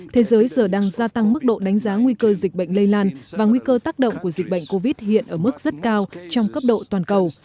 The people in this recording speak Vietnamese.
thế giới giờ đang gia tăng mức độ đánh giá nguy cơ dịch bệnh lây lan và nguy cơ tác động của dịch bệnh covid hiện ở mức rất cao trong cấp độ toàn cầu